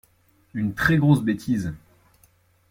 Une très grosse bêtise.